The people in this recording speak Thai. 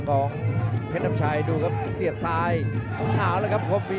คมฝั่นด้วยสอกซ้ายเลยครับโหเฅ